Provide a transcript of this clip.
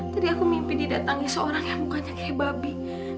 tadi aku mimpi didatangi seorang yang mukanya kayak babi